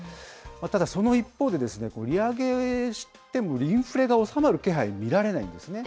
ただその一方で、利上げしてもインフレが収まる気配見られないんですね。